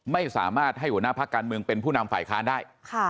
ไม่สามารถให้หัวหน้าพักการเมืองเป็นผู้นำฝ่ายค้านได้